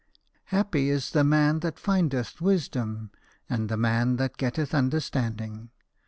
" Happy is the man that findeth wisdom, and the man that getteth under standing.